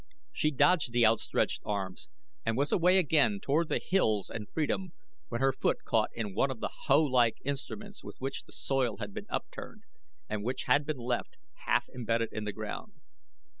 She dodged the outstretched arms and was away again toward the hills and freedom, when her foot caught in one of the hoe like instruments with which the soil had been upturned and which had been left, half imbedded in the ground.